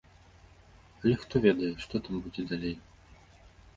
Але хто ведае, што там будзе далей.